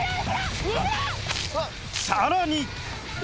さらに！